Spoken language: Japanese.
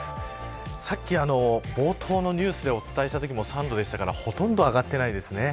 さっき冒頭のニュースでお伝えしたときも３度でしたのでほとんど上がっていないです。